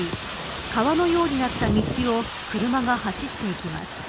川のようになった道を車が走っていきます。